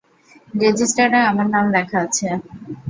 রেজিস্টারে আমার নাম লেখা আছে।